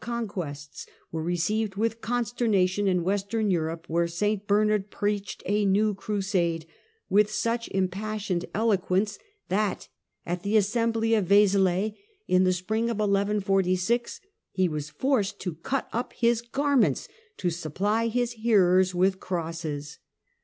Second conquests," were received with consternation m Western Crusade Europe, where St Bernard preached a new Crusade with such impassioned eloquence that at the Assembly of Vezelay, in the spring of 1146, he was forced to cut up his garments to supply his hearers with crosses.